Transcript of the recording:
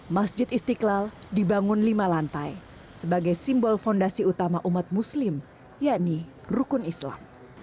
masjid istiqlal dibangun lima lantai sebagai simbol fondasi utama umat muslim yakni rukun islam